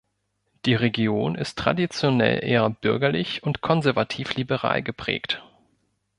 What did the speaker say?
Die Region ist traditionell eher bürgerlich und konservativ-liberal geprägt.